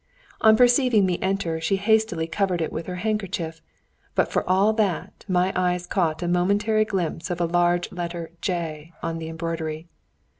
On perceiving me enter, she hastily covered it with her handkerchief, but for all that, my eyes caught a momentary glimpse of a large letter "J." on the embroidery.